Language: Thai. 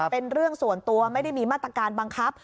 เป็นเรื่องส่วนตัวไม่ได้มีมาตรการบังคับ